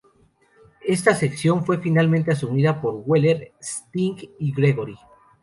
Esta sección fue finalmente asumida por Weller, Sting y Gregory.